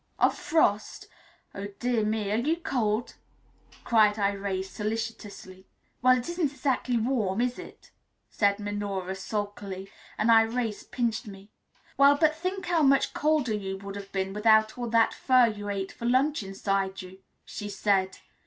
Of frost? Oh, dear me, are you cold," cried Irais solicitously. "Well, it isn't exactly warm, is it?" said Minora sulkily; and Irais pinched me. "Well, but think how much colder you would have been without all that fur you ate for lunch inside you," she said.